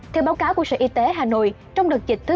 theo báo cáo của sở y tế hà nội trong đợt dịch thứ hai